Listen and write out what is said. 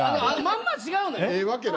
まんま違うのよ。